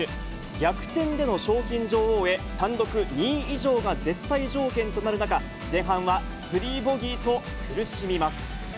逆転での賞金女王へ、単独２位以上が絶対条件となる中、前半は３ボギーと苦しみます。